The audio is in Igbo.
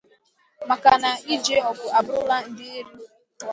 Maka na ije ọgụ abụrụla ndeeri